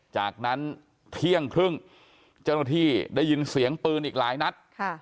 จากนั้นเที่ยงครึ่งเจ้าหน้าที่ได้ยินเสียงปืนอีกหลายนัด